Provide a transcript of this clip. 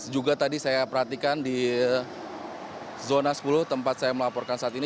juga tadi saya perhatikan di zona sepuluh tempat saya melaporkan saat ini